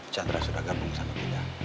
chandra sudah gabung sama kita